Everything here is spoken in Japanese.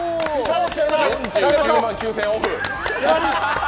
４９万９０００円オフ！